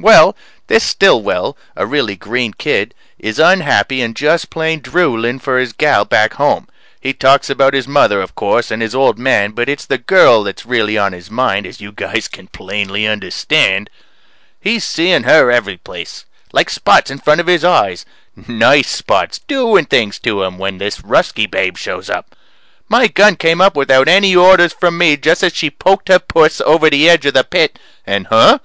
Well, this Stillwell a really green kid is unhappy and just plain drooling for his gal back home. He talks about his mother, of course, and his old man, but it's the girl that's really on his mind as you guys can plainly understand. He's seeing her every place like spots in front of his eyes nice spots doing things to him, when this Ruskie babe shows up. My gun came up without any orders from me just as she poked her puss over the edge of the pit, and huh?